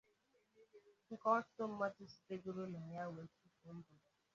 nke ọtụtụ mmadụ sitegoro na ya wee tụfuo ndụ ha.